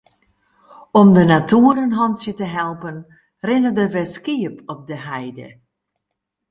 Om de natoer in hantsje te helpen rinne der wer skiep op de heide.